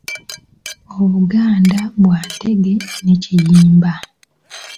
Obuganda bwa Ntege ne Kiyimba.